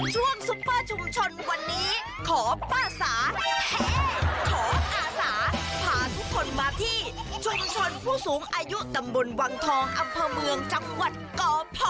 ซุปเปอร์ชุมชนวันนี้ขอป้าสาขออาสาพาทุกคนมาที่ชุมชนผู้สูงอายุตำบลวังทองอำเภอเมืองจังหวัดกพ